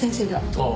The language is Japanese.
ああ。